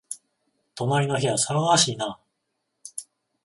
隣の部屋、騒がしいな